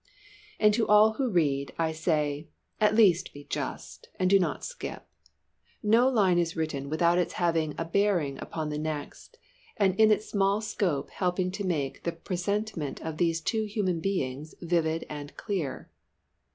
And to all who read, I say at least be just! and do not skip. No line is written without its having a bearing upon the next, and in its small scope helping to make the presentment of these two human beings vivid and clear.